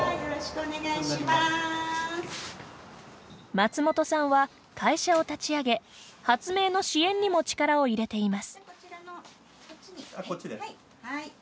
松本さんは、会社を立ち上げ発明の支援にも力を入れています。